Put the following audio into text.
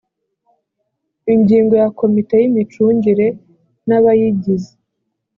ingingo ya komite y imicungire n abayigize